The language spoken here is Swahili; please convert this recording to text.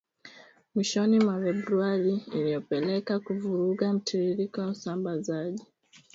mwishoni mwa Februari iliyopelekea kuvuruga mtiririko wa usambazaji